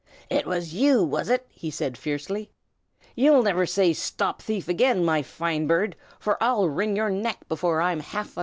"It was you, was it?" he said fiercely. "You'll never say 'Stop thief' again, my fine bird, for I'll wring your neck before I'm half a minute older."